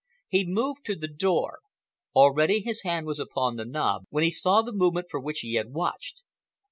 He moved to the door. Already his hand was upon the knob when he saw the movement for which he had watched.